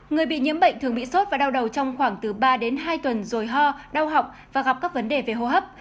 người bị nhiễm bệnh thường bị sốt và đau đầu trong khoảng từ ba đến hai tuần rồi ho đau học và gặp các vấn đề về hô hấp